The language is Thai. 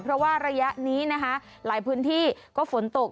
เพราะว่าระยะนี้นะคะหลายพื้นที่ก็ฝนตก